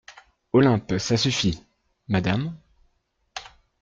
Olympe Ça suffit, Madame …